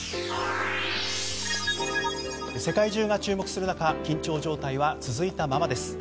世界中が注目する中緊張状態は続いたままです。